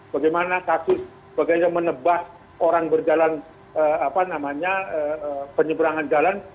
bagaimana kasus bagaimana menebas orang berjalan penyeberangan jalan